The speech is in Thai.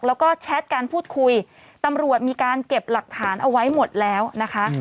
แล้วก็แชทการพูดคุยตำรวจมีการเก็บหลักฐานเอาไว้หมดแล้วนะคะ